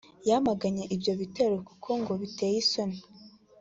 yamganye ibyo bitero kuko ngo biteye isoni